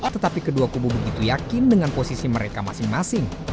tetapi kedua kubu begitu yakin dengan posisi mereka masing masing